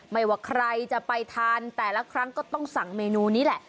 ว่าใครจะไปทานแต่ละครั้งก็ต้องสั่งเมนูนี้แหละ